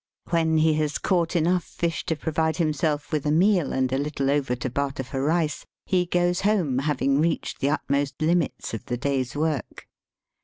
When he has caught enough fish to provide himself with a meal, and a Httle over to barter for rice, he goes home, having reached the utmost limits of the day's work.